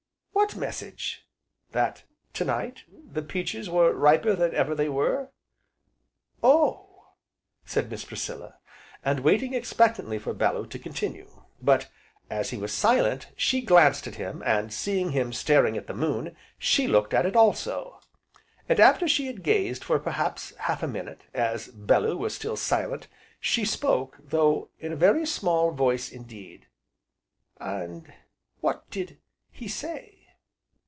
"What message?" "That 'to night, the peaches were riper than ever they were.'" "Oh!" said Miss Priscilla, and waited expectantly for Bellew to continue. But, as he was silent she glanced at him, and seeing him staring at the moon, she looked at it, also. And after she had gazed for perhaps half a minute, as Bellew was still silent, she spoke, though in a very small voice indeed. "And what did he say?"